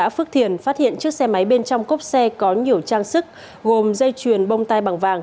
phước thiền phát hiện chiếc xe máy bên trong cốc xe có nhiều trang sức gồm dây chuyền bông tai bằng vàng